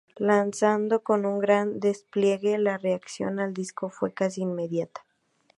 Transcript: Lanzado con un gran despliegue, la reacción al disco fue casi inmediata.